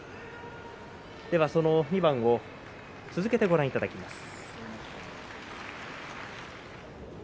その２番を続けてご覧いただきます。